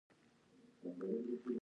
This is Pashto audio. یوازې یو بل پاچا پېژنو.